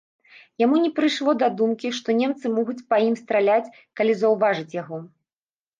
Яму не прыйшло да думкі, што немцы могуць па ім страляць, калі заўважаць яго.